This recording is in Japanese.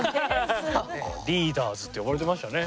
「リーダーズ」って呼ばれてましたね。